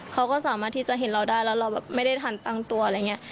เขาก็สามารถที่จะเห็นเราได้แล้วเราแบบไม่ได้ทันตั้งตัวอะไรอย่างนี้